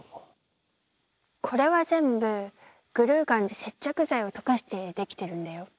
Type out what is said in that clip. これは全部グルーガンで接着剤を溶かして出来てるんだよ。